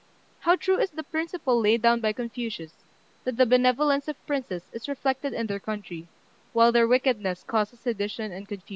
] How true is the principle laid down by Confucius, that the benevolence of princes is reflected in their country, while their wickedness causes sedition and confusion!